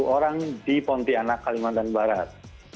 sepuluh orang di pontianak kalimantan barat